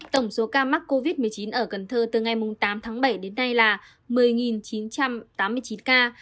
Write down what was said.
tổng số ca mắc covid một mươi chín ở cần thơ từ ngày tám tháng bảy đến nay là một mươi chín trăm tám mươi chín ca